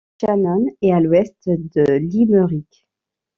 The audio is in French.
Shannon est à à l'ouest de Limerick.